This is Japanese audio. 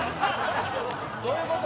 どういうこと？